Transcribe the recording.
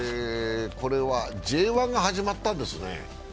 これはＪ１が始まったんですね。